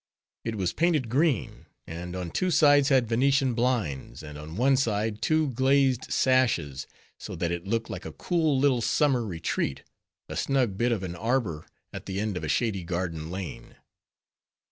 It was painted green, and on two sides had Venetian blinds; and on one side two glazed sashes; so that it looked like a cool little summer retreat, a snug bit of an arbor at the end of a shady garden lane.